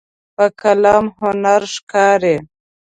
په قلم هنر ښکاري.